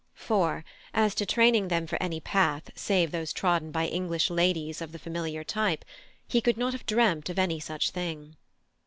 For, as to training them for any path save those trodden by English ladies of the familiar type, he could not have dreamt of any such thing.